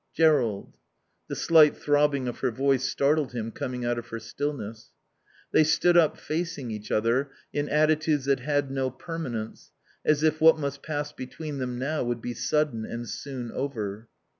"Jerrold " The slight throbbing of her voice startled him coming out of her stillness. They stood up, facing each other, in attitudes that had no permanence, as if what must pass between them now would be sudden and soon over.